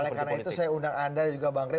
oleh karena itu saya undang anda dan juga bang rey